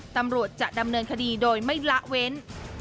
ตำรวจจะดำเนินคดีโดยไม่ละเว้น